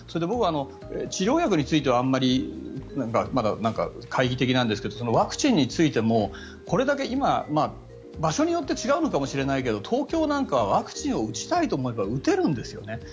僕、治療薬についてはあんまりまだ懐疑的なんですがワクチンについてもこれだけ今、場所によって違うのかもしれないけど東京なんかはワクチンを打ちたいと思えば打てるんですよね。